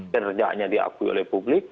kerjaannya diakui oleh publik